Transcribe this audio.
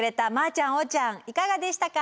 ちゃんおーちゃんいかがでしたか？